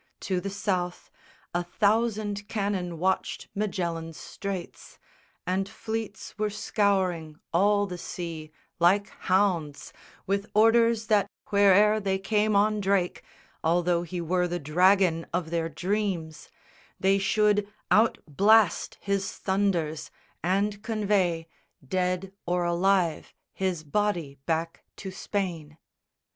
To the South A thousand cannon watched Magellan's straits, And fleets were scouring all the sea like hounds, With orders that where'er they came on Drake, Although he were the Dragon of their dreams, They should out blast his thunders and convey, Dead or alive, his body back to Spain.